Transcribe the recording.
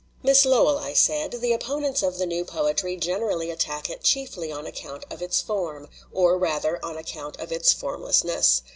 "Miss Lowell," I said, "the opponents of the new poetry generally attack it chiefly on account of its form or rather, on account of its formless ness.